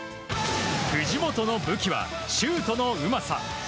藤本の武器はシュートのうまさ。